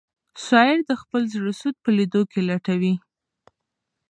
شاعر د خپل زړه سود په لیدو کې لټوي.